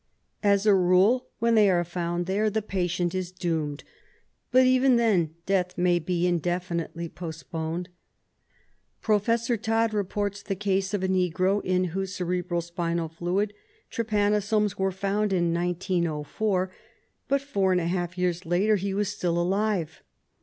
As a rule, when they are found there, the patient is doomed, but even then death may be indefinitely postponed. Professor Todd reports the case of a negro in whose cerebro spinal fluid trypanosomes were found in 1904, but four and a half years later he was still alive.